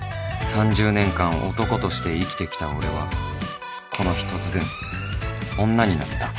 ［３０年間男として生きてきた俺はこの日突然女になった］